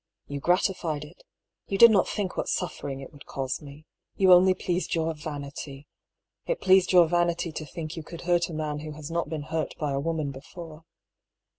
You gratified it. You did not think what suffering it would cause me. You only pleased your vanity. It pleased your vanity to think you could hurt a man who has not been hurt by a woman before."